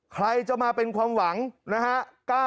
ใครจะมาเป็นความหวังนะฮะ